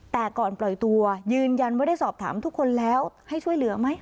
แต่ก่อนปล่อยตัวยืนยันว่าได้สอบถามทุกคนแล้วให้ช่วยเหลือไหม